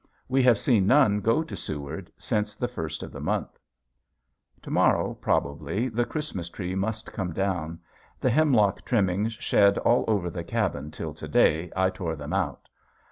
We have seen none go to Seward since the first of the month. To morrow probably the Christmas tree must come down. The hemlock trimmings shed all over the cabin till to day I tore them out.